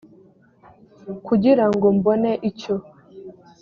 kugira ngo mbone icyo